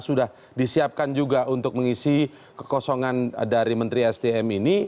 sudah disiapkan juga untuk mengisi kekosongan dari menteri sdm ini